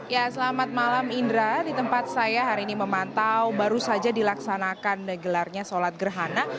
ya selamat malam indra di tempat saya hari ini memantau baru saja dilaksanakan gelarnya sholat gerhana